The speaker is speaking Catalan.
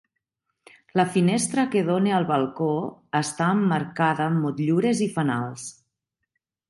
La finestra que dóna al balcó està emmarcada amb motllures i fanals.